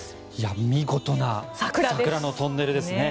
見事な桜のトンネルですね。